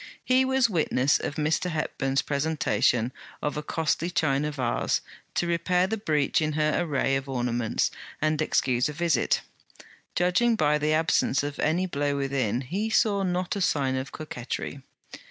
He was witness of Mr. Hepburn's presentation of a costly China vase, to repair the breach in her array of ornaments, and excuse a visit. Judging by the absence of any blow within, he saw not a sign of coquettry.